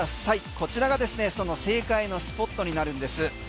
こちらがですね、その正解のスポットになるんです。